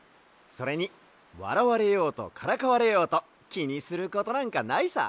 それにわらわれようとからかわれようときにすることなんかないさ。